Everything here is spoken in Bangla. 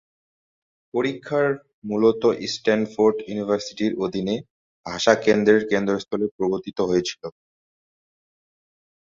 পরীক্ষার মূলত স্ট্যানফোর্ড ইউনিভার্সিটির অধীনে ভাষা কেন্দ্রের কেন্দ্রস্থলে প্রবর্তিত হয়েছিল।